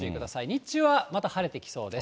日中はまた晴れてきそうです。